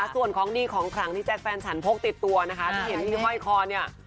ส่วนของดีของขลังที่แจ๊คแฟนฉันพกติดตัวนะคะที่เห็นที่ห้อยคอเนี่ย